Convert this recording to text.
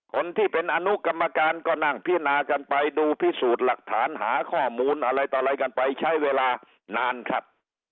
คนที่เป็นอนุกรรมการก็นั่งพินากันไปดูพิสูจน์หลักฐานหาข้อมูลอะไรต่ออะไรกันไปใช้เวลานานครับ